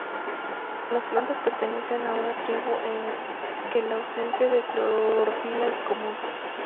Las plantas pertenecen a una tribu en que la ausencia de clorofila es común.